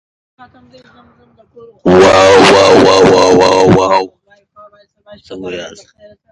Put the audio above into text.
This is Danny.